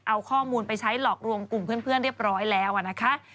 เอาข้อมูลไปใช้หลอกรวมกลุ่มเพื่อนเรียบร้อยแล้วนะคะ